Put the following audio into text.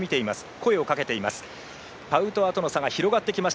声をかけています。